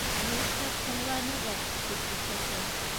— Ни эшләп һуңланығыҙ? - тип үкерҙе.